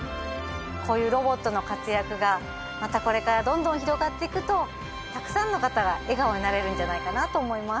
こういうロボットの活躍がまたこれからどんどん広がっていくとたくさんの方が笑顔になれるんじゃないかなと思います